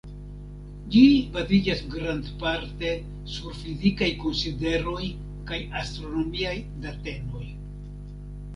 Ĝi baziĝas grandparte sur fizikaj konsideroj kaj astronomiaj datenoj.